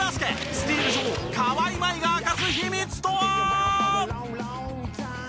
スティール女王川井麻衣が明かす秘密とは？